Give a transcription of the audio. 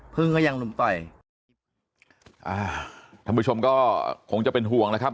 ก็ยังหลุมต่อยอ่าท่านผู้ชมก็คงจะเป็นห่วงแล้วครับ